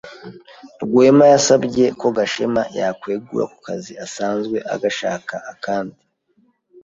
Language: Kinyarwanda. Rwema yasabye ko Gashema yakwegura ku kazi asanzwe agashaka akandi.